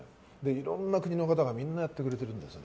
いろんな国の方がみんなやってくれてるんです。